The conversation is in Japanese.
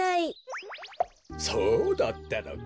そうだったのか。